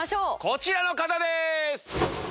こちらの方です！